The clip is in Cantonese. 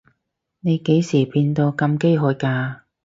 你幾時變到咁飢渴㗎？